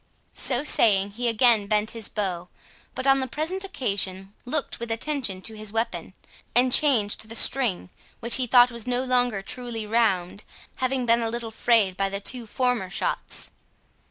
So saying, he again bent his bow, but on the present occasion looked with attention to his weapon, and changed the string, which he thought was no longer truly round, having been a little frayed by the two former shots.